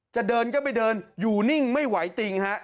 จะเดินก็ไปเดินอยู่นิ่งไม่ไหวติงฮะ